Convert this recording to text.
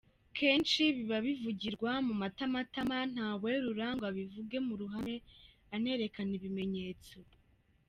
Kenshi biba bivugirwa mu matamatama nta werura ngo abivuge mu ruhame anerekane ibimenyetso.